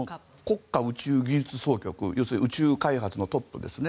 国家宇宙技術総局要するに宇宙開発のトップですね。